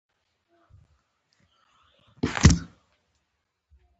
کوردي متل وایي د بېرته راتلونکي خطر کار مه کوئ.